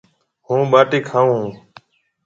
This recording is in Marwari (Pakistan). هُون ٻاٽِي کاون هون۔